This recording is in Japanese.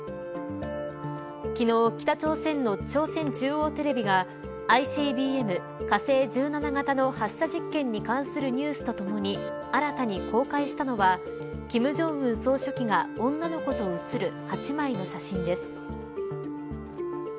昨日、北朝鮮の朝鮮中央テレビがＩＣＢＭ、火星１７型の発射実験に関するニュースとともに新たに公開したのは金正恩総書記が女の子と写る８枚の写真です。